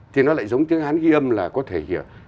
thì nó lại giống tiếng hán ghi âm là có thể